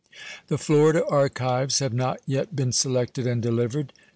The Florida archives have not yet been selected and delivered.